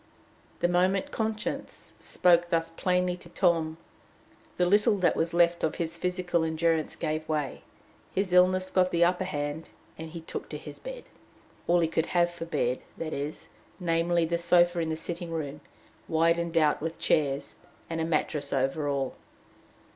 The moment conscience spoke thus plainly to Tom, the little that was left of his physical endurance gave way, his illness got the upper hand, and he took to his bed all he could have for bed, that is namely, the sofa in the sitting room, widened out with chairs, and a mattress over all.